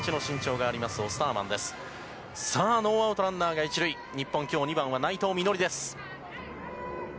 さあ、ノーアウトランナーが１塁、日本きょう２番は内藤実穂です。